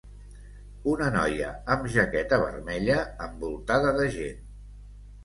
Una noia amb jaqueta vermell envoltada de gent.